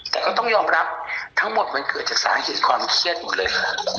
แต่ก็ต้องยอมรับทั้งหมดมันเกิดจากสาเหตุความเครียดหมดเลย